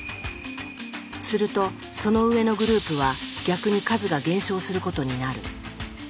するとその上のグループは逆に数が減少することになる。